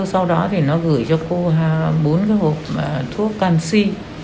sau đó thì nó gửi cho cô bốn cái hộp thuốc canxi